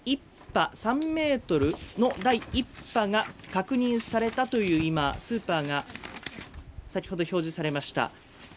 ３ｍの第一波が確認されたというスーパーが先ほど表示されました